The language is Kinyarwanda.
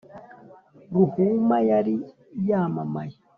ruhuma yari yamamaye